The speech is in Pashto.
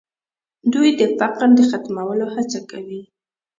دوی د فقر د ختمولو هڅه کوي.